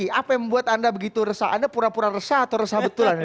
apa yang membuat anda begitu resah anda pura pura resah atau resah betulan